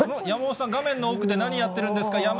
山本さん、画面の奥で何やってるんですか？